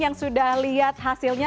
yang sudah lihat hasilnya